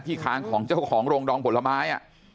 ค้างของเจ้าของโรงดองผลไม้